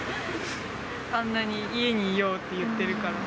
あんなにいえにいようっていってるから。